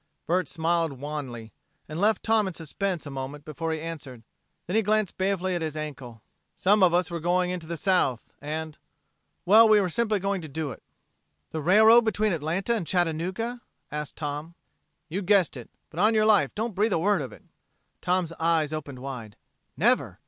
Bert smiled wanly, and left Tom in suspense a moment before he answered. Then he glanced balefully at his ankle. "Some of us were going into the South, and ... well, we were simply going to do it." "The railroad between Atlanta and Chattanooga?" asked Tom. "You've guessed it, but, on your life, don't breathe a word of it." Tom's eyes opened wide. "Never!